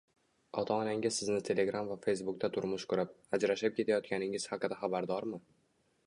Ota-onangiz sizni Telegram va Facebook da turmush qurib, ajrashib ketayotganingiz haqida xabardormi?